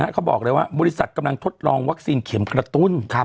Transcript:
เขาบอกเลยว่าบริษัทกำลังทดลองวัคซีนเข็มกระตุ้น